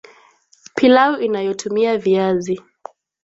Pilau inayotumia viazi